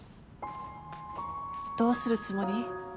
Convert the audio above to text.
どうするつもり？